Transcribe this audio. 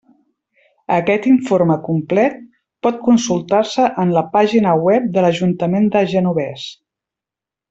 Aquest informe complet pot consultar-se en la pàgina web de l'Ajuntament de Genovés.